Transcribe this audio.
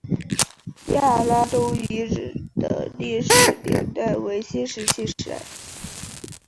亚拉东遗址的历史年代为新石器时代。